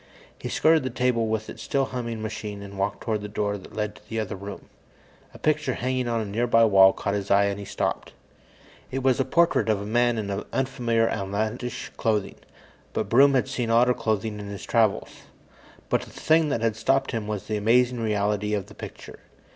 He skirted the table with its still humming machine and walked toward the door that led to the other room. A picture hanging on a nearby wall caught his eye, and he stopped. It was a portrait of a man in unfamiliar, outlandish clothing, but Broom had seen odder clothing in his travels. But the thing that had stopped him was the amazing reality of the picture.